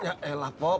ya elah pok